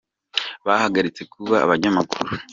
bahagaritse kuba abanyamakuru